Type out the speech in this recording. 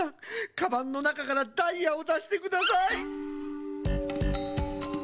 カバンのなかからダイヤをだしてください！